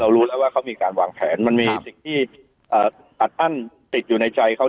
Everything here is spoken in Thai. รู้แล้วว่าเขามีการวางแผนมันมีสิ่งที่อัดอั้นติดอยู่ในใจเขา